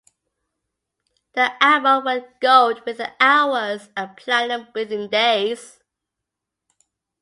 The album went gold within hours and platinum within days.